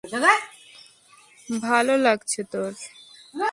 ভালো লাগছে তোর?